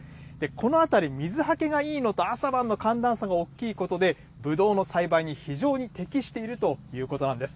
この辺り、水はけがいいのと朝晩の寒暖差が大きいことで、ぶどうの栽培に非常に適しているということなんです。